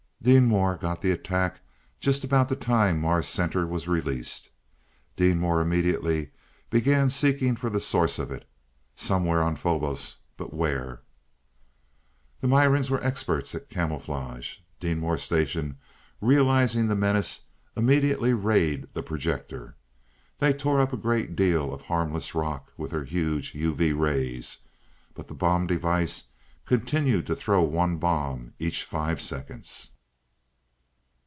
Deenmor got the attack just about the time Mars Center was released. Deenmor immediately began seeking for the source of it. Somewhere on Phobos but where? The Mirans were experts at camouflage. Deenmor Station, realizing the menace, immediately rayed the "projector." They tore up a great deal of harmless rock with their huge UV rays. But the bomb device continued to throw one bomb each five seconds.